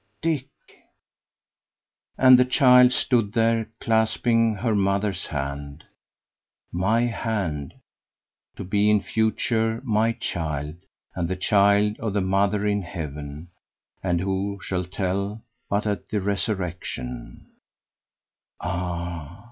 "Dick." And the child stood there clasping her mother's hand my hand; to be in future my child and the child of the mother in heaven; and who shall tell but at the resurrection Ah!